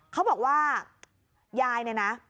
เขาบอกว่ายายเนี่ยนะ